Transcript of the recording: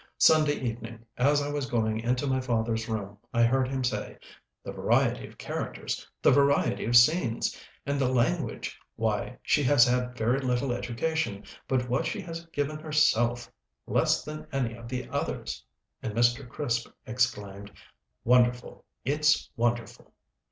Sunday evening, as I was going into my father's room, I heard him say, "The variety of characters the variety of scenes and the language why, she has had very little education but what she has given herself less than any of the others!" and Mr. Crisp exclaimed, "Wonderful! it's wonderful!"